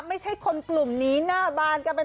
ไม่ใช่คนกลุ่มนี้หน้าบานกันไป